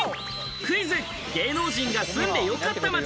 クイズ芸能人が住んでよかった街。